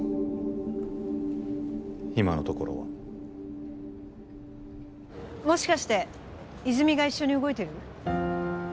今のところはもしかして泉が一緒に動いてる？